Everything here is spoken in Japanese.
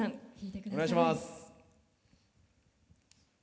お願いします。